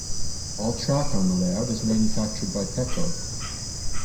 All track on the layout is manufactured by Peco.